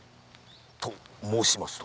と申しますと？